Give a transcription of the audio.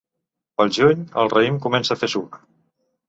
Pel juny el raïm comença a fer suc.